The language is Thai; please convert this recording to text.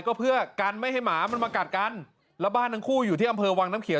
ก็เพื่อกันไม่ให้หมามันมากัดกันแล้วบ้านทั้งคู่อยู่ที่อำเภอวังน้ำเขียว